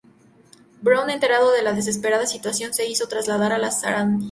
Brown, enterado de la desesperada situación, se hizo trasladar a la "Sarandí".